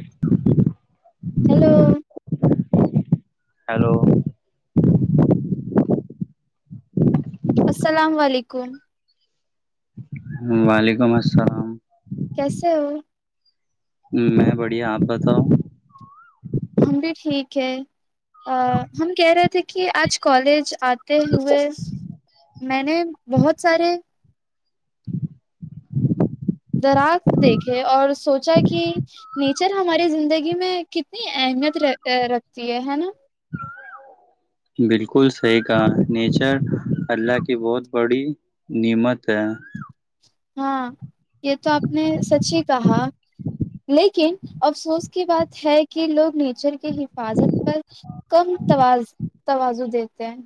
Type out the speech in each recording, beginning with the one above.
[inaudible] hello hello السلام علیکم وعلیکم السلام کیسے ہو میں بڑھیا آپ بتاؤ ہم بھی ٹھیک ہے ہم کہہ رہے تھے کہ آج کالج آتے ہوئے میں نے بہت سارے درخت دیکھے اور سوچا کہ نیچر ہماری زندگی میں کتنی اہمیت رکھتی ہے ہے نا بالکل صحیح کہ نیچر اللہ کی بہت بڑی نعمت ہے ہاں یہ تو آپ نے سچی کہا لیکن افسوس کی بات ہے کہ لوگ نیچر کی حفاظت پر کم تواز تواز دیتے ہیں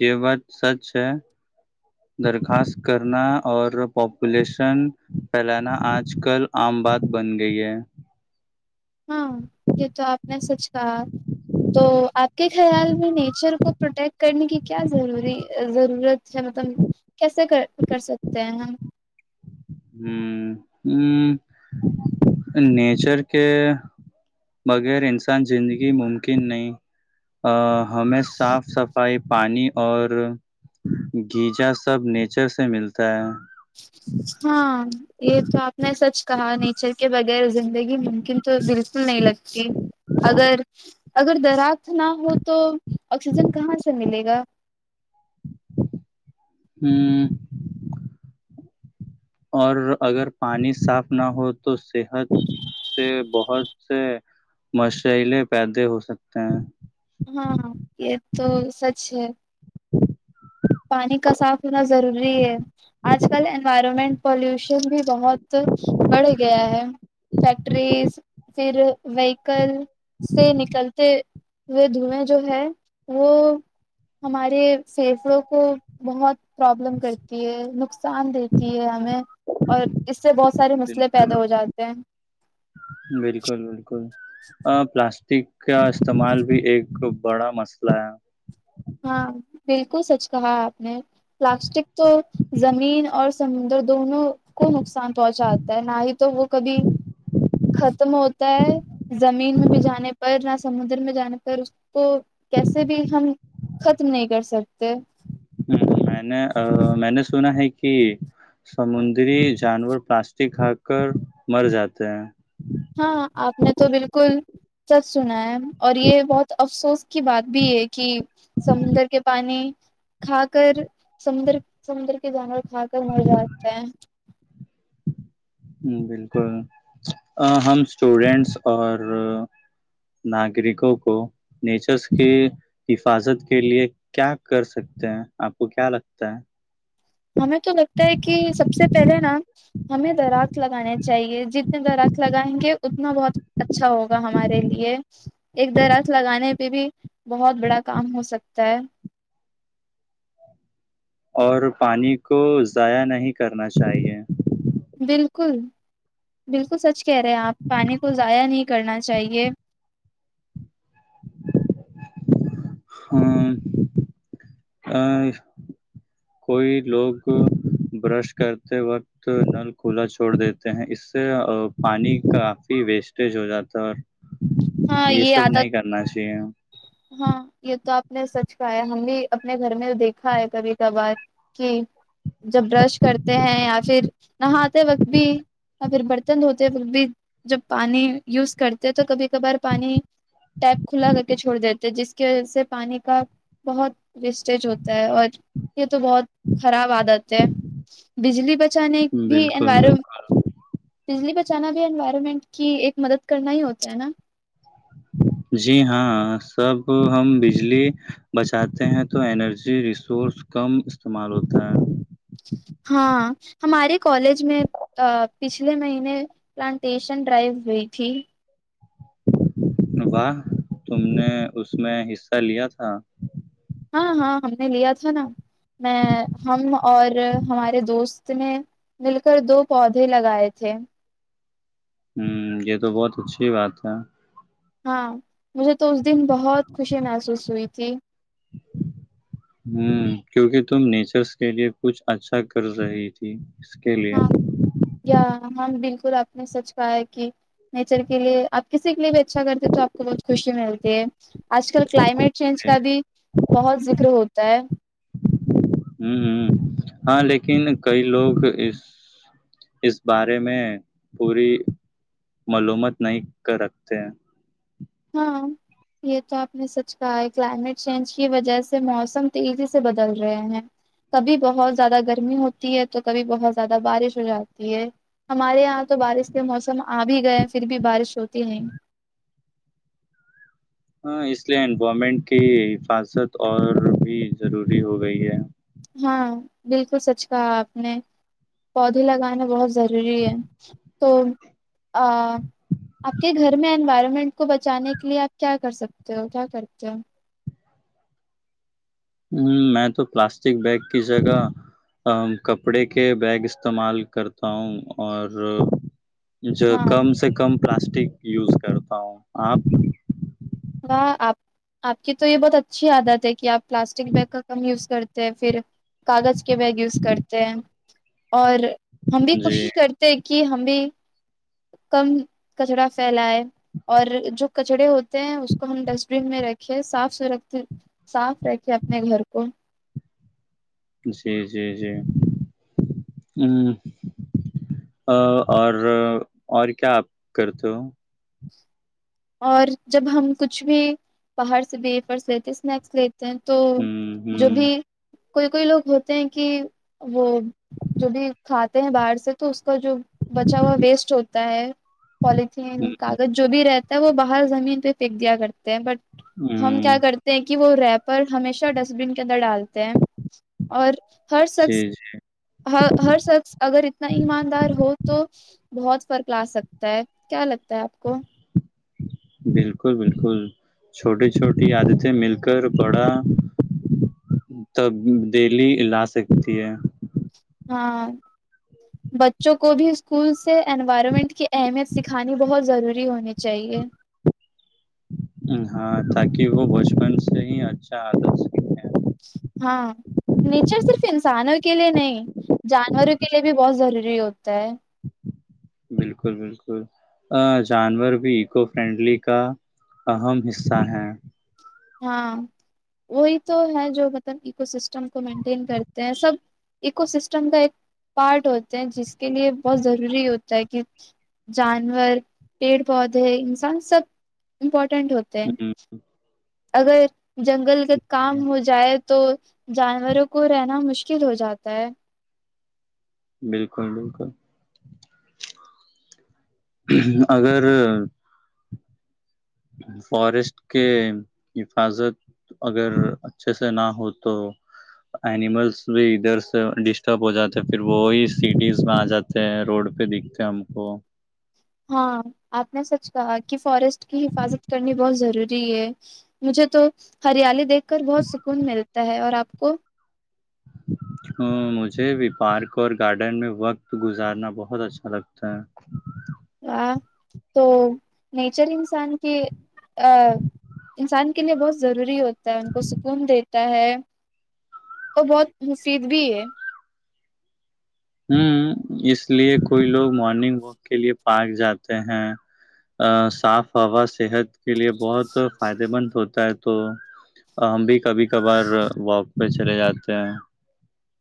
یہ بات سچ ہے درخواست کرنا اور پاپولیشن پھیلانا آج کل عام بات بن گئی ہے ہاں یہ تو آپ نے سچ کہا تو آپ کے خیال میں نیچر کو پروٹیکٹ کرنے کی کیا ضروری ضرورت ہے مطلب کیسے کر سکتے ہیں ہم ہ ہ نیچر کے بغیر انسان زندگی ممکن نہیں ہمیں صاف صفائی پانی اور گیجا سب نیچر سے ملتا ہے ہاں یہ تو آپ نے سچ کہا نیچر کے بغیر زندگی ممکن تو بالکل نہیں لگتی اگر اگر درخت نہ ہو تو آکسیجن کہاں سے ملے گا ہوں اور اگر پانی صاف نہ ہو تو صحت سے بہت سے مشئلے پیدے ہو سکتے ہیں ہاں ہاں یہ تو سچ ہے پانی کا صاف ہونا ضروری ہے آج کل انوائرمنٹ پالوشن بھی بہت بڑھ گیا ہے فیکٹریز پھر وہیکل سے نکل وہ دھوئیں جو ہے وہ ہمارے پیفڑوں کو بہت پرابلم کرتی ہے نقصان دیتی ہے ہمیں اور اس اس سے بہت سارے مسئلے بالکل پیدا ہو جاتے ہیں بالکل بالکل آ پان [unintelligible] پلاسٹک کا استعمال بھی ایک بڑا مسئلہ ہے ہاں بالکل سچ کہا ہے آپ نے پلاسٹک تو زمین اور سمندر دونوں کو نقصان پہنچاتا ہے نہ ہی تو وہ کبھی ختم ہوتا ہے زمین میں بھی جانے پر نہ سمندر میں جانے پر اس کو کیسے بھی ہم ختم نہیں کر سکتے ہم، میں نے میں نے سنا ہے کہ سمندری جانور پلاسٹک کھا کر مر جاتے ہیں ہاں آپ نے تو بالکل سچ سنا ہے اور یہ بہت افسوس کی بات بھی ہے کہ سمندر کے پانی کھا کر سمندر سمندر کے جانور کھا کر مر جاتے ہیں بالکل ہم اسٹوڈینٹس اور ناگرکوں کو نیچرس کی حفاظت کے لیے کیا کر سکتے ہیں آپ کو کیا لگتا ہے ہمیں تو لگتا ہے کہ سب سے پہلے نا ہمیں درخت لگانے چاہیے جتنے درخت لگائیں گے اتنا بہت اچھا ہوگا ہمارے لیے ایک درخت لگانے پہ بھی بہت بڑا کام ہو سکتا ہے اور پانی کو ضائع نہیں کرنا چاہیے بالکل بالکل سچ کہہ رہے ہیں آپ پانی کو ضائع نہیں کرنا چاہیے ہاں ہ کوئی لوگ برش کرتے وقت نل کھلا چھوڑ دیتے ہیں اس سے پانی کافی ویسٹیج ہو جاتا ہے ہاں یہ سب آد نہیں کرنا چاہیے ہاں یہ تو آپ نے سچ کاا ہے ہم بھی اپنے گھر میں دیکھا ہے کبھی کبھار کہ جب برش کرتے ہیں یا پھر نہاتے وقت بھی یا پھر برتن دھوتے وقت بھی جب پانی یوز کرتے ہیں تو کبھی کبھار پانی ٹیپ کھلا کر کے چھوڑ دیتے جس کی وجہ سے پانی کا بہت رسٹیج ہوتا ہے اور یہ تو بہت خراب عادت ہے بجلی ب چان بالکل بھیر بالکل ب ب اچانا بھی انوائرمنٹ کی ایک مدد کرنا ہی ہوتا ہے نا جی ہاں سب ہم بجلی بچاتے ہیں تو انرجی ریسورس کم استعمال ہوتا ہے ہاں ہمارے کالج میں پچھلے مہینے پلانٹیشن ڈرائیو ہوئی تھی واہ تم نے اس میں حصہ لیا تھا ہاں ہاں ہم نے لیا تھا نا میں ہم اور ہمارے دوست نے مل کر دو پودے لگائے تھے ہوں یہ تو بہت اچھی بات ہے ہاں مجھے تو اس دن بہت خوشی محسوس ہوئی تھی ہوں کیونکہ تم نیچرس کے لیے کچھ اچھا کر رہی تھی کے لیے ہاں ہوں ہاں بالک بالکل آپ نے سچ کہا ہے کہ نیچر کے لیے آپ کسی کے لیے بھی اچھا کرتے تو آپ کو بہت خوشی ملتی ہے آج کل کلائمیٹ چینج کا بھی بہت ذکر ہوتا ہے ہوں ہ ہاں لیکن کئی لوگ اس اس بارے میں پوری معلومت نہیں کر رکھتے ہیں ہاں یہ تو آپ نے سچ کہا ہے کلائمیٹ چینج کی وجہ سے موسم تیزی سے بدل رہے ہیں کبھی بہت زیادہ گرمی ہوتی ہے تو کبھی بہت زیادہ بارش ہو جاتی ہے ہمارے یہاں تو بارش کے موسم آ بھی گئے ہیں پھر بھی بارش ہوتی نہیں ہاں اس لیے انومنٹ کی حفاظت اور بھی ضروری ہو گئی ہے ہاں بالکل سچ کہا آپ نے پودے لگانا بہت ضروری ہے تو آپ کے گھر میں انوائرمنٹ کو بچانے کے لیے آپ کیا کر سکتے ہو کیا کرتے ہو ہ میں تو پلاسٹک بیگ کی جگہ کپڑے کے بیگ استعمال کرتا ہوں اور جو ہاں کم سے کم پلاسٹک یوز کرتا ہوں آپ وہاں آپ آپ کی تو یہ بہت اچھی عادت ہے کہ آپ پلاسٹک بیگ کا کم یوز کرتے ہیں پھر کاغذ کے بیگ یوز کرتے ہیں اور ہم بھی جی کوشش کرتے ہیں کہ ہمیں کم کچرا پھیلاائے اور جو کچڑے ہو اس کو ہم ڈسٹبین میں رکھے صاف س صاف رکھے اپنے گھر کو جی جی جی ہ اور اور کیا آپ کرتے ہو اور جب ہم کچھ بھی باہر سے بھی فرس لیتے اسنیکس لیتے تو جو ہوں بھی کوئی کوئی لوگ ہوتے ہیں کہ وہ جو بھی کھاتے ہیں باہر سے تو کا جو بچاوا ویسٹ ہوتا ہوتا ہے کالج ہ ہ نہیں جو بھی رہتا ہے وہ باہر زمین پہ پھینک دیا کرتے ہیں بٹ ہم ہ کیا کرتے ہیں کہ کہ وہ ریپر ہمیشہ ڈسٹبین کے اندر ڈالتے ہیں اور ہر جی شخص جی ہ ہر شخص اگر اتنا ایماندار ہو تو بہت فرق لا سکتا ہے کیا لگتا ہے آپ کو بالکل بالکل چھوٹی چھوٹی عادتیں مل کر بڑا تب ڈیلی لا سکتی ہے ہاں بچوں کو بھی اسکول سے انوائرمنٹ کی اہمیت سکھانی بہت ضروری ہونیی چاہیے ہاں تاکہ وہ بچپن سے ہی اچھا آدر سیں ہاں نیچر صرف انسانوں کے لیے نہیں جانوروں کے لیے بھی بہت ضروری ہوتا ہے بالکل بالکل جانور بھی او فرینڈلی کا اہم حصہ ہیں ہاں وہی تو ہے جو مطلب اکو سسٹم کو مینٹین کرتے ہیں سب اکو سسٹم کا ایک پارٹ ہوتے ہیں جس کے لیے بہت ضروری ہوتا ہے جانور پیڑ پودے انسان سب امپورٹ ٹنڈ ہوتے ہوں، اگر جنگل کا کام ہو جائے تو جانوروں کو رہنا مشکل ہو جاتا ہے بالکل بالکل اگر فارسٹ کے حفاظت اگر اچھے سے نہ ہو تو اینیملس بھی ادھر سے ڈسٹرب ہو جاتے ہیں پھر وہی سٹیز میں آ جاتے ہیں روڈ پہ دکھتے ہم کو ہاں آپ نے سچ کہا کہ فوریسٹ کی حفاظت کرنی بہت ضروری ہے مجھے تو ہریالی دیکھ کر بہت سکون ملتا ہے اور آپ کو رک ہ مجھے بھی پارک اور گارڈن میں وقت گزارنا بہت اچھا لگتا ہے و تو نیچر انسان کے ا انسان کے لیے بہت روری ہو ہے کو سکون د ہے اور بہت مصید بھی ہے ہوں اس لیے کوئی لوگ مارننگ واک کے لیے پارک جاتے ہیں صاف ہوا صحت کے لیے بہت فائدے مند ہوتا ہے تو ہم بھی کبھی کبھار واک پہ چلے جاتے ہیں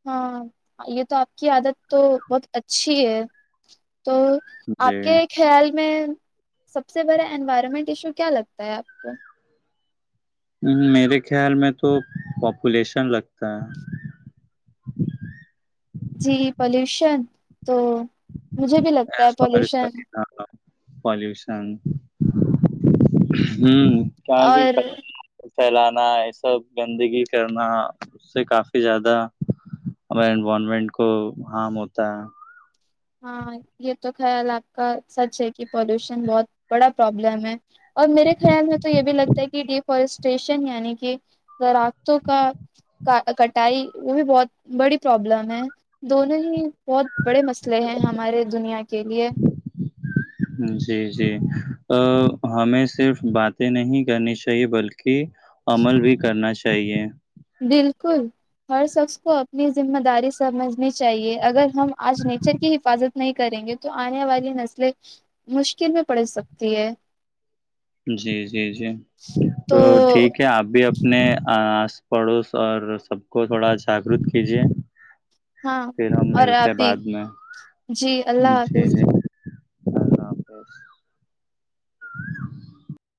ہاں یہ تو آپ کی عادت تو بہت اچھی ہے تو آپ جی کے خیال اس میں سب سے بڑا انوائرمنٹ ایشو کیا لگتا ہے آپ کو میرے خیال میں تو پاپولیشن لگتا ہے جی پلیوشن تو مجھے بھی لگتا ہے سوری پالوشن سوری پالوشن ہ کیا کہ اور کچرا پھیلانا یہ سب گندگی کرنا اس سے کافی زیادہ ہمے انوائرمنٹ کو ہارم ہوتا ہے ہاں یہ تو خیال آپ کا سچ ہے کہ پولوشن بہت بڑا پرابلم ہے اور میرے خیال میں تو یہ بھی لگتا ہے کہ ڈیفارسٹریشن یعنی کہ دراختوں کا کٹائی وہ بھی بہت بڑی پرابلم ہے دونوں ہی بہت بڑے مسئ جی جی ہمیں صرف باتیں نہیں کرنی چاہیے بلکہ عمل بھی کرنا چاہیے بالکل ہر شخص کو اپنی ذمہ داری سمجھ چاہیے اگر ہم آج نیچر کی حفاظت نہیں کریں گے تو آنے والی نسلیں مشکل میں پڑ سکتی ہے جی جی جی تو ٹھیک ہے آپ بھی اب اپنے آس پڑوس اور سب کو تھوڑا جاگرت کیجیے ہاں پھر ہم اور ملتے ہیں ابھی بعد میں جی اللہ حافظ ہاں ہاں بس [unintelligible]